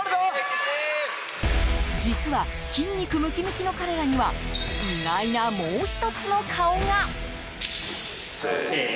実は筋肉ムキムキの彼らには意外な、もう１つの顔が。